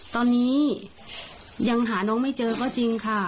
ตอนนี้ยังหาน้องไม่เจอก็จริงค่ะ